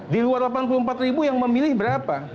di luar delapan puluh empat ribu yang memilih berapa